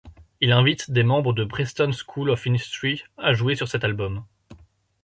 Il invite des membres de Preston School of Industry à jouer sur cet album.